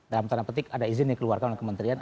dalam tanda petik ada izin yang dikeluarkan oleh kementerian